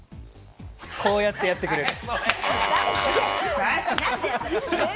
こうやってやってくれる。